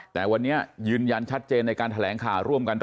ทยอยเปิดตัว